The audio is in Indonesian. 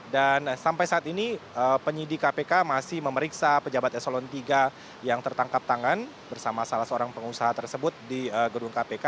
dan sampai saat ini penyidik kpk masih memeriksa pejabat eselon tiga yang tertangkap tangan bersama salah seorang pengusaha tersebut di gedung kpk